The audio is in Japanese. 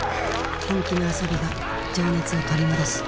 本気の遊びが情熱を取り戻す。